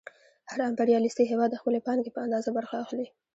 هر امپریالیستي هېواد د خپلې پانګې په اندازه برخه اخلي